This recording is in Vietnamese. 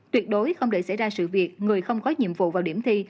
tuyệt đối không để xảy ra sự việc người không có nhiệm vụ vào điểm thi